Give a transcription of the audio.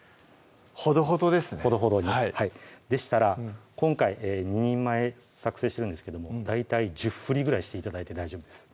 ほどほどですねほどほどにはいでしたら今回２人前作成してるんですけども大体１０振りぐらいして頂いて大丈夫です